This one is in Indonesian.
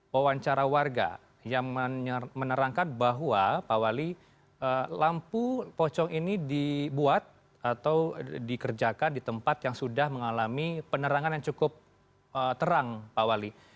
wawancara warga yang menerangkan bahwa pak wali lampu pocong ini dibuat atau dikerjakan di tempat yang sudah mengalami penerangan yang cukup terang pak wali